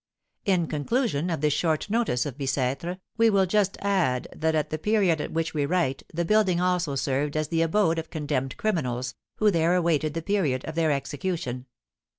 In conclusion of this short notice of Bicêtre, we will just add that at the period at which we write the building also served as the abode of condemned criminals, who there awaited the period of their execution.